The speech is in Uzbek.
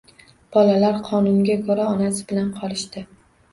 Bolalar qonunga ko`ra onasi bilan qolishdi